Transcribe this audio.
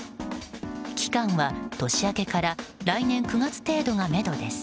期間は年明けから来年９月程度がめどです。